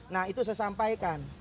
nah itu saya sampaikan